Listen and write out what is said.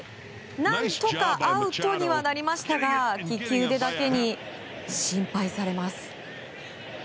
何とかアウトにはなりましたが利き腕だけに心配されます。